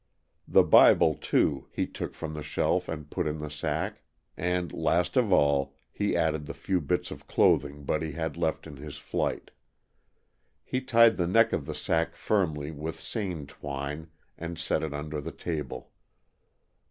The Bible, too, he took from the shelf and put in the sack, and, last of all, he added the few bits of clothing Buddy had left in his flight. He tied the neck of the sack firmly with seine twine and set it under the table.